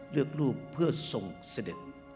รูปเพื่อส่งเสด็จ